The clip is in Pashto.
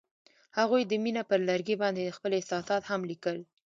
هغوی د مینه پر لرګي باندې خپل احساسات هم لیکل.